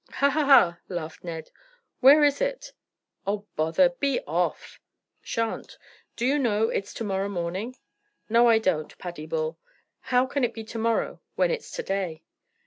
"Ha, ha, ha!" laughed Ned. "Where is it?" "Oh, bother! Be off!" "Shan't! Do you know it's to morrow morning?" "No, I don't, Paddy Bull. How can it be to morrow when it's to day?"